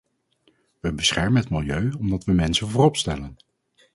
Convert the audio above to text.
We beschermen het milieu omdat we mensen voorop stellen.